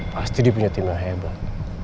pasti dia punya tim yang hebat